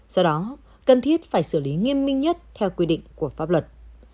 do đó cần thiết phải xử lý nghiêm minh nhất theo quy định của pháp luật